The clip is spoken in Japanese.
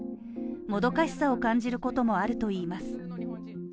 もどかしさを感じることもあるといいます。